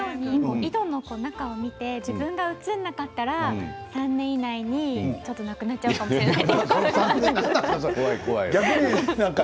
同じように井戸の中を見て自分が写らなかったら３年以内にちょっとなくなっちゃうかもしれない。